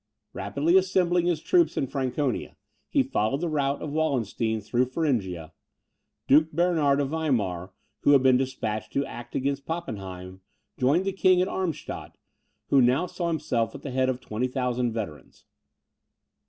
Rapidly assembling his troops in Franconia, he followed the route of Wallenstein through Thuringia. Duke Bernard of Weimar, who had been despatched to act against Pappenheim, joined the king at Armstadt, who now saw himself at the head of 20,000 veterans.